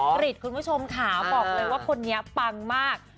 กริจคุณผู้ชมค่ะบอกเลยว่าคนนี้ปังมาก